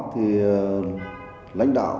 thì lãnh đạo